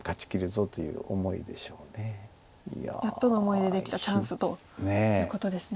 やっとの思いでできたチャンスということですね